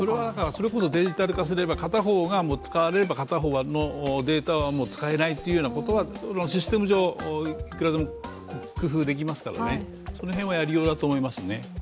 それこそデジタル化すれば片方使えればもう使えないということはシステム上、いくらでも工夫できますからその辺はやりようだと思いますね。